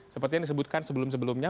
seperti yang disebutkan sebelum sebelumnya